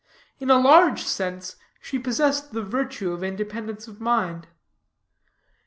In a large sense she possessed the virtue of independence of mind.